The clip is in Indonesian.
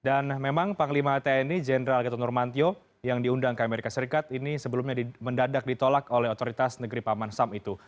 dan memang panglima tni jenderal getut nurmantio yang diundang ke amerika serikat ini sebelumnya mendadak ditolak oleh otoritas negeri paman sam itu